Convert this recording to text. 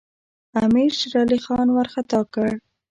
امیر شېرعلي خان وارخطا کړ.